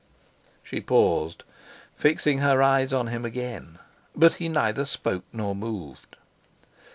She paused, fixing her eyes on him again; but he neither spoke nor moved.